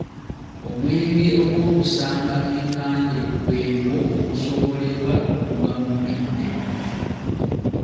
Omwenge ogwokusamba enkande gwegwo ogusogolebwa okuva mu mbidde.